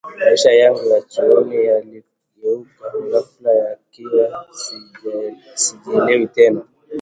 Maisha yangu ya chuoni yaligeuka ghafla nikawa sijielewi tena